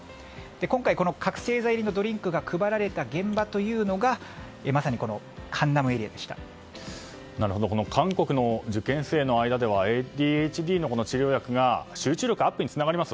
今回、覚醒剤入りのドリンクが配られたエリアが韓国の受験生の間ではＡＤＨＤの治療薬が集中力アップにつながります。